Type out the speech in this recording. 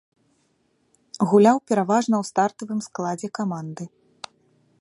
Гуляў пераважна ў стартавым складзе каманды.